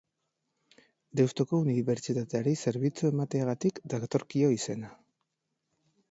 Deustuko Unibertsitateari zerbitzu emateagatik datorkio izena.